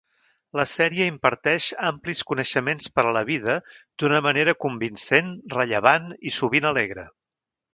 La sèrie imparteix amplis coneixements per a la vida d'una manera convincent, rellevant i sovint alegre.